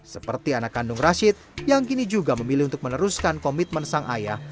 seperti anak kandung rashid yang kini juga memilih untuk meneruskan komitmen sang ayah